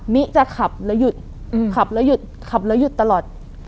มิจะขับแล้วหยุดขับแล้วหยุดขับแล้วหยุดตลอด